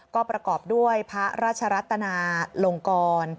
ก็ประกอบด้วยพระราชรัตนาลงกร